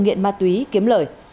nghiện ma túy kiếm lời